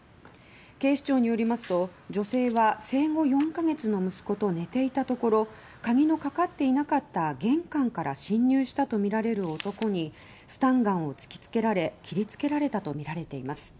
警視庁によりますと女性は生後４か月の息子と寝ていたところ鍵のかかっていなかった玄関から侵入したとみられる男にスタンガンを突き付けられ切り付けられたとみられています。